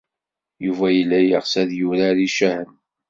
Yuba yella yeɣs ad yurar icahen.